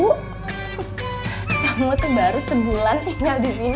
kamu tuh baru sebulan tinggal di sini